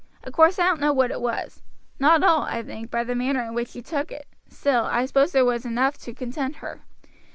Of course I don't know what it was; not all, I think, by the manner in which she took it; still, I suppose it was enough to content her.